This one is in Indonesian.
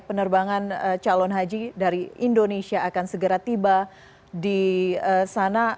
penerbangan calon haji dari indonesia akan segera tiba di sana